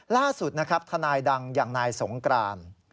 ล่าสุดนะครับทนายดังอย่างนายสงกราน